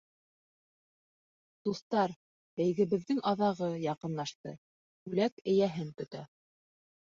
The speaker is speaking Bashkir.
Дуҫтар, бәйгебеҙҙең аҙағы яҡынлашты: бүләк эйәһен көтә.